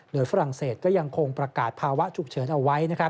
โดยฝรั่งเศสก็ยังคงประกาศภาวะฉุกเฉินเอาไว้